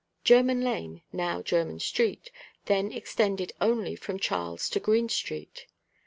German lane, now German street, then extended only from Charles to Greene street.